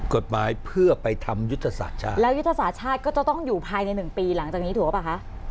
กฎหมายเพื่อไปทำยุทธศาสตร์ชาติแล้วยุทธศาสตร์ชาติก็จะต้องอยู่ภายในหนึ่งปีหลังจากนี้ถูกหรือเปล่าคะ